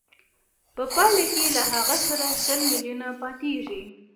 په پایله کې له هغه سره سل میلیونه پاتېږي